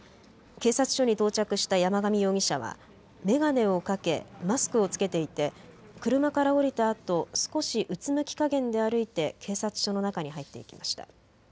警察署に到着した山上容疑者は眼鏡をかけ、マスクを着けていて車から降りたあと少しうつむきかげんで歩いて警察署の中に入っていきました。